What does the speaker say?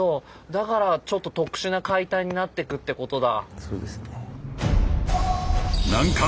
だからちょっと特殊な解体になってくってことだ。